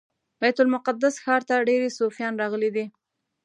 بیت المقدس ښار ته ډیری صوفیان راغلي دي.